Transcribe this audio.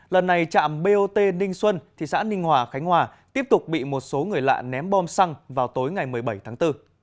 lần này trạm bot ninh xuân thị xã ninh hòa khánh hòa tiếp tục bị một số người lạ ném bom xăng vào tối ngày một mươi bảy tháng bốn